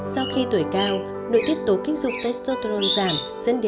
sau khi tuổi cao nội tiết tố kích dục testotron giảm